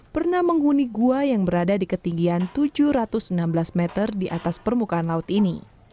pernah menghuni gua yang berada di ketinggian tujuh ratus enam belas meter di atas permukaan laut ini